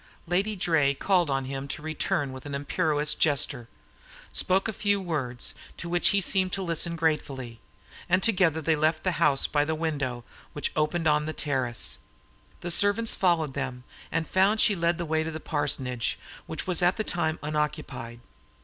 Lady Draye called on him to return with an imperious gesture, spoke a few words, to which he seemed to listen gratefully, and together they left the house by the window which opened on the terrace. The servants followed them, and found she led the way to the parsonage, which was at the time unoccupied.